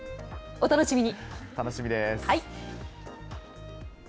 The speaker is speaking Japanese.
お楽しみに。